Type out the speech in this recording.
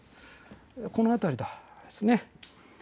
この辺りですね。